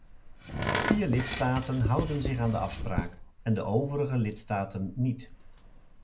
Vier lidstaten houden zich aan de afspraak en de overige lidstaten niet.